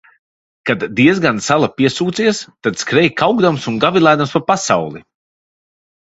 Kad diezgan sala piesūcies, tad skrej kaukdams un gavilēdams pa pasauli.